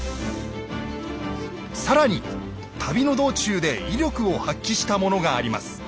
更に旅の道中で威力を発揮したものがあります。